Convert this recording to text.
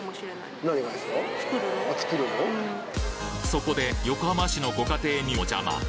そこで横浜市のご家庭にお邪魔！